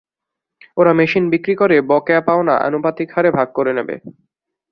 ওরা মেশিন বিক্রি করে বকেয়া পাওনা আনুপাতিক হারে ভাগ করে নেবে।